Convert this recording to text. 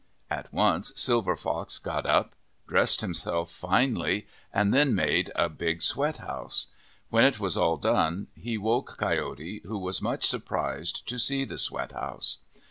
At once Silver Fox got up, dressed himself finely, and then made a big sweat house. When it was all done, he woke Coyote, who was much surprised to see the sweat house.